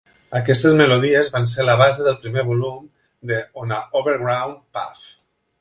Aquestes melodies van ser la base del primer volum de "On a Overgrown Path".